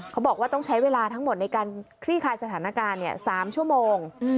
เขาบอกว่าต้องใช้เวลาทั้งหมดในการคลี่คลายสถานการณ์๓ชั่วโมง